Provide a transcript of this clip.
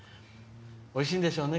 おいしいんでしょうね